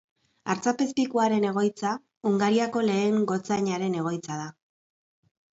Artzapezpikuaren egoitza, Hungariako lehen gotzainaren egoitza da.